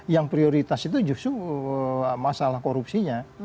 yang prioritas itu justru masalah korupsinya